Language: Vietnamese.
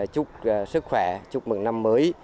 chúc sức khỏe chúc mừng năm mới